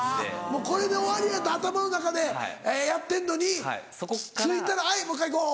もうこれで終わりやと頭の中でやってんのについたら「はいもう１回行こう」？